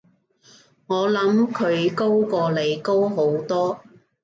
我諗佢高過你，高好多